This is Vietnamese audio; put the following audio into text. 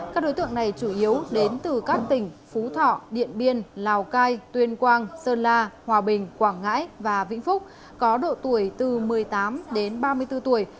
các đối tượng này chủ yếu đến từ các tỉnh phú thọ điện biên lào cai tuyên quang sơn la hòa bình quảng ngãi và vĩnh phúc có độ tuổi từ một mươi tám đến ba mươi bốn tuổi